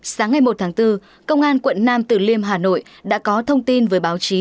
sáng ngày một tháng bốn công an quận nam tử liêm hà nội đã có thông tin với báo chí